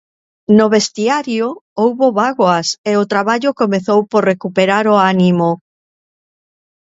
No vestiario houbo bágoas e o traballo comezou por recuperar o ánimo.